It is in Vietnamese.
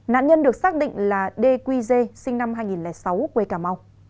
nạn nhân được xác định là đê quy dê sinh năm hai nghìn sáu quê cà mau